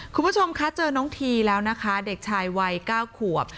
คุณผู้ชมคะเจอน้องทีแล้วนะคะเด็กชายวัย๙ขวบ